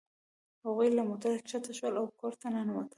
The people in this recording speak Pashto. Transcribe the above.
هغوی له موټر ښکته شول او کور ته ننوتل